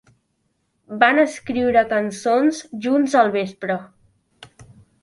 Van escriure cançons junts al vespre.